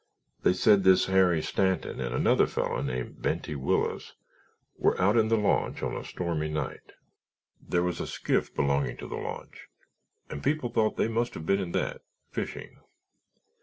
They said this Harry Stanton and another fellow named Benty Willis were out in the launch on a stormy night. There was a skiff belonging to the launch, and people thought they must have been in that, fishing.